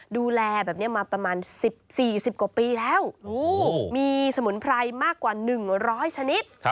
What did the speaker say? ดูแลแบบนี้มาประมาณ๑๔๐กว่าปีแล้วมีสมุนไพรมากกว่า๑๐๐ชนิด